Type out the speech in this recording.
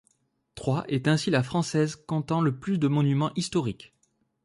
Troyes est ainsi la française comptant le plus de monuments historiques.